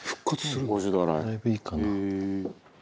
だいぶいいかな。